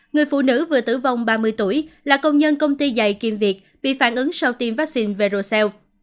người phụ nữ vừa tử vong ba mươi tuổi là công nhân công ty dạy kiêm việc bị phản ứng sau tiêm vaccine verocell